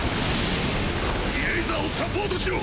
イレイザーをサポートしろ！